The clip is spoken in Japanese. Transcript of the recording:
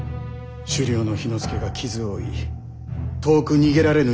首領の氷ノ介が傷を負い遠く逃げられぬ